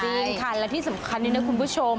แล้วที่สำคัญหนึ่งนะคุณผู้ชม